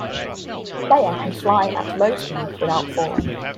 The player can fly at low speeds without falling.